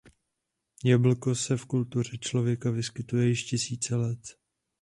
Jablko se v kultuře člověka vyskytuje již tisíce let.